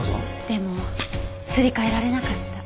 でもすり替えられなかった。